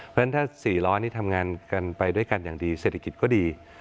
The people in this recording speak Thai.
เพราะฉะนั้นถ้า๔๐๐นี่ทำงานกันไปด้วยกันอย่างดีเศรษฐกิจก็ดี